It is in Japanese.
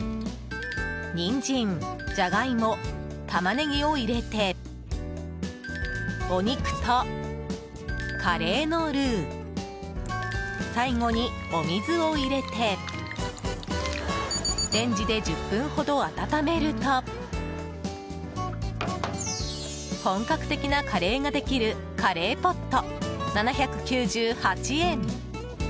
ニンジン、ジャガイモタマネギを入れてお肉とカレーのルー最後にお水を入れてレンジで１０分ほど温めると本格的なカレーができるカレーポット、７９８円。